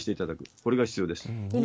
これが必要です。